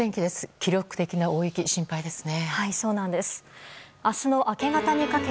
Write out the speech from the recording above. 記録的な大雪心配ですね。